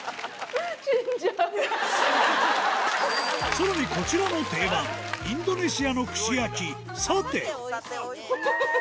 さらにこちらも定番インドネシアの串焼きサテハハハハ！